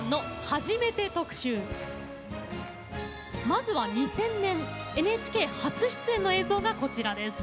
まずは２０００年ＮＨＫ初出演の映像がこちらです。